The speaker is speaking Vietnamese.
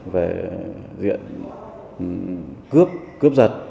về diện cướp cướp giật